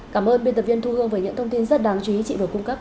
cảm ơn biên tập viên thu hương với những thông tin rất đáng chú ý chị vừa cung cấp